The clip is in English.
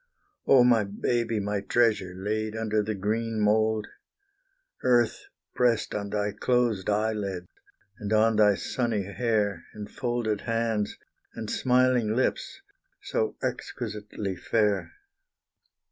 Oh, my baby, my treasure, laid under the green mould! Earth pressed on thy closed eyelids, and on thy sunny hair, And folded hands, and smiling lips, so exquisitely fair.